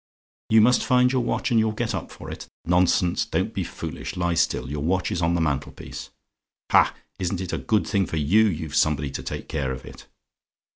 "YOU MUST FIND YOUR WATCH? AND YOU'LL GET UP FOR IT? "Nonsense! don't be foolish lie still. Your watch is on the mantelpiece. Ha! isn't it a good thing for you, you've somebody to take care of it?